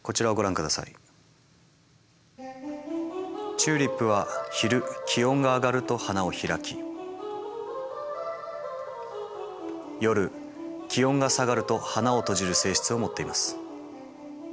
チューリップは昼気温が上がると花を開き夜気温が下がると花を閉じる性質を持っています。